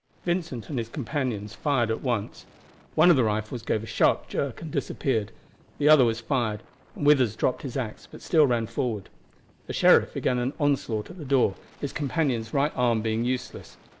Vincent and his companions fired at once. One of the rifles gave a sharp jerk and disappeared, the other was fired, and Withers dropped his axe, but still ran forward. The sheriff began an onslaught at the door, his companion's right arm being useless.